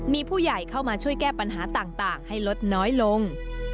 มีผู้ใหญ่เข้ามาช่วยแก้ปัญหาต่างให้ลดน้อยลง